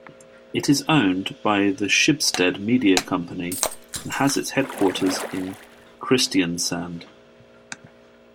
It is owned by the Schibsted media company and has its headquarters in Kristiansand.